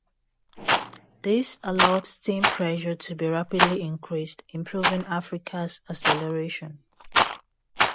These allowed steam pressure to be rapidly increased, improving "Africa"s acceleration.